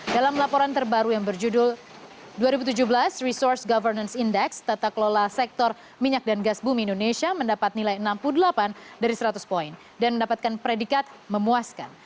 dalam laporan terbaru yang berjudul dua ribu tujuh belas resource governance index tata kelola sektor minyak dan gas bumi indonesia mendapat nilai enam puluh delapan dari seratus poin dan mendapatkan predikat memuaskan